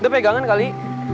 udah pegangan kali